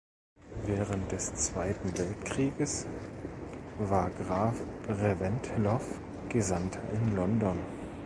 Während des Zweiten Weltkrieges war Graf Reventlow Gesandter in London.